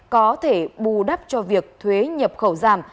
có thể bù đắp cho việc thuế nhập khẩu giảm